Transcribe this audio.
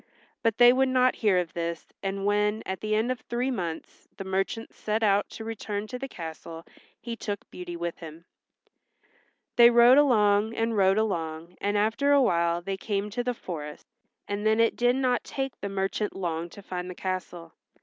But they would not hear of this and when, at the end of three months, the merchant set out to return to the castle he took Beauty with him. They rode along and rode along and after awhile they came to the forest, and then it did not take the merchant long to find the castle.